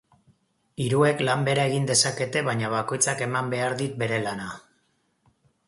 Hiruek lan bera egin dezakete baina bakoitzak eman behar dit bere lana.